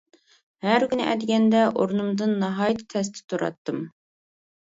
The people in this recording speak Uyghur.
ھەر كۈنى ئەتىگەندە ئورنۇمدىن ناھايىتى تەستە تۇراتتىم.